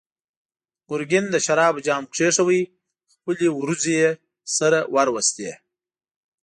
ګرګين د شرابو جام کېښود، خپلې وروځې يې سره وروستې.